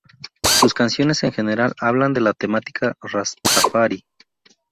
Sus canciones, en general, hablan de la temática rastafari.